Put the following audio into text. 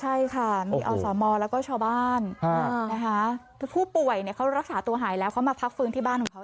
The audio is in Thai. ใช่ค่ะมีอสมแล้วก็ชาวบ้านนะคะคือผู้ป่วยเขารักษาตัวหายแล้วเขามาพักฟื้นที่บ้านของเขา